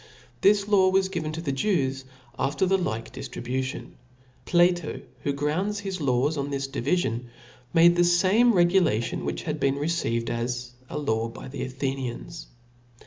This law was given to the Jews after the like diftribution. Plato f"), who grounds his laws on ^mj j^^^ this divifion, made the fame regulation, which had P^^^^ been received as a law by the Athenians.